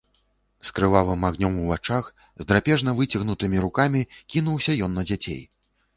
З крывавым агнём у вачах, з драпежна выцягнутымі рукамі кінуўся ён на дзяцей.